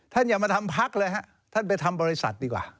อย่ามาทำพักเลยฮะท่านไปทำบริษัทดีกว่า